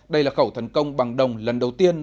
đây là khẩu thần công bằng đồng lần đầu tiên